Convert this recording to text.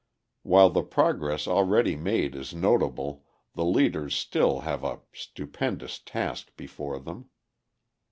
While the progress already made is notable the leaders still have a stupendous task before them.